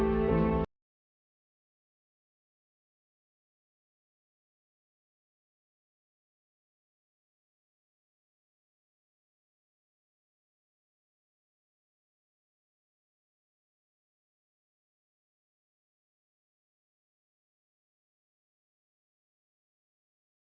nanti mama ceritain semuanya